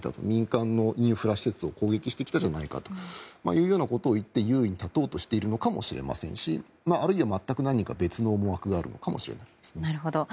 民間のインフラ施設を攻撃してきたじゃないかというようなことを言って優位に立とうとしているのかもしれませんしあるいは何か全く別の思惑があるのかもしれません。